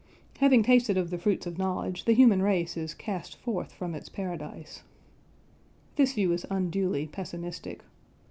Having tasted of the fruits of knowledge, the human race is cast forth from its Paradise. This view is unduly pessimistic.